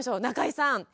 中井さん。